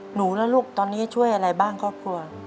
หนูแล้วลูกตอนนี้ช่วยอะไรบ้างครอบครัว